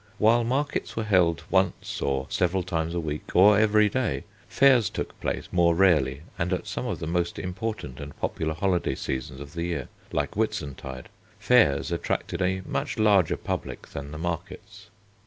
While markets were held once or several times a week or every day, fairs took place more rarely and at some of the most important and popular holiday seasons of the year, like Whitsuntide. Fairs attracted a much larger public than the markets.